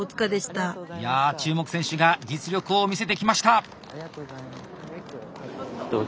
いや注目選手が実力を見せてきました！